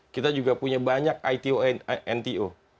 kita juga punya banyak ito nto